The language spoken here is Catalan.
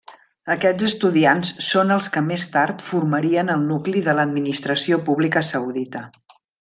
Aquests estudiants són els que més tard formarien el nucli de l'administració pública saudita.